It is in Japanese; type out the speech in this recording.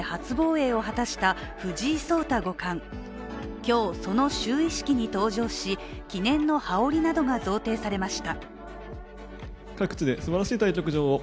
今日、その就位式に登場し記念の羽織などが贈呈されました。